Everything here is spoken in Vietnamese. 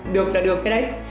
được là được cái đấy